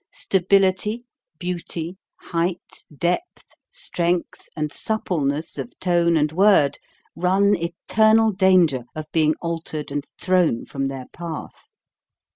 Stability, beauty, height, depth, strength, and suppleness of tone and word run eternal dan ger of being altered and thrown from their path.